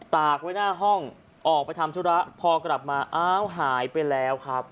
ตากไว้หน้าห้องออกไปทำธุระพอกลับมาอ้าวหายไปแล้วครับ